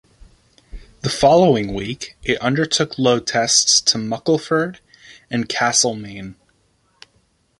The following week it undertook load tests to Muckleford and Castlemaine.